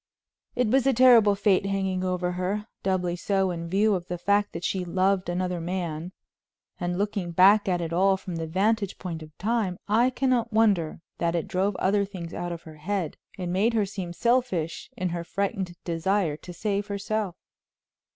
It was a terrible fate hanging over her, doubly so in view of the fact that she loved another man; and looking back at it all from the vantage point of time, I cannot wonder that it drove other things out of her head and made her seem selfish in her frightened desire to save herself.